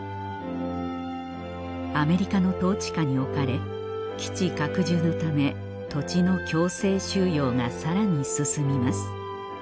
アメリカの統治下に置かれ基地拡充のため土地の強制収用がさらに進みます